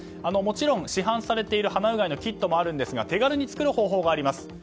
もちろん市販されている鼻うがいのキットもあるんですが手軽に作る方法があります。